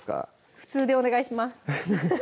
普通でお願いします